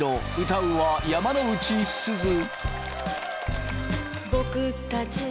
歌うは山之内すず。